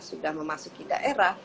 sudah memasuki daerah